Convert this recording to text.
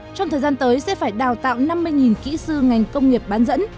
trong thời gian tới sẽ phải đào tạo năm mươi kỹ sư ngành công nghiệp bán dẫn